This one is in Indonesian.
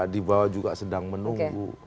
dibawah juga sedang menunggu